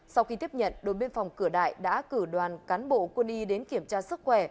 sau khi tiếp nhận đồn biên phòng cửa đại đã cử đoàn cán bộ quân y đến kiểm tra sức khỏe